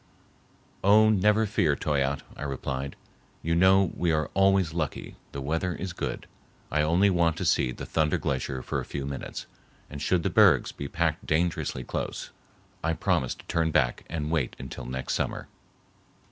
"Oh, never fear, Toyatte," I replied. "You know we are always lucky—the weather is good. I only want to see the Thunder Glacier for a few minutes, and should the bergs be packed dangerously close, I promise to turn back and wait until next summer."